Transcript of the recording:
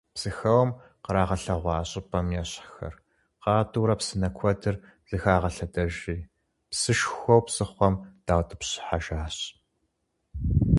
Псыхэуэм къаригъэлъэгъуа щӀыпӀэм ещхьхэр къатӀыурэ псынэ куэдыр зыхагъэлъэдэжри псышхуэу псыхъуэм даутӀыпщхьэжащ.